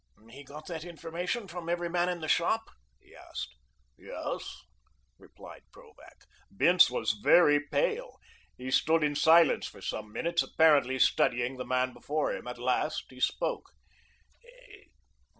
"He got that information from every man in the shop?" he asked. "Yes," replied Krovac. Bince was very pale. He stood in silence for some minutes, apparently studying the man before him. At last he spoke.